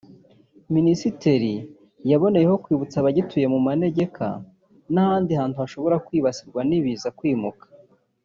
Minisiteri yaboneyeho kwibutsa abagituye mu manegeka kimwe n’ahandi hantu hashobora kwibasirwa n’ibiza kwimuka